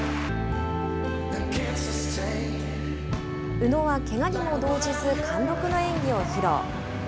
宇野はけがにも動じず、貫禄の演技を披露。